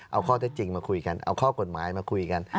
เอาข้อเท็จจริงมาคุยกันเอาข้อกฎหมายมาคุยกัน